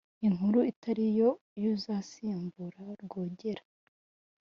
inkuru itari yo y uzasimbura rwogera